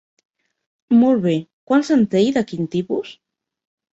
Molt bé, quants en té i de quin tipus?